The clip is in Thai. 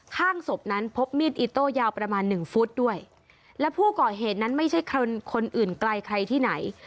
ข้างศพนั้นพบมีดอิโต้ยาวประมาณหนึ่งฟุตด้วยและผู้ก่อเหตุนั้นไม่ใช่คนคนอื่นไกลใครที่ไหน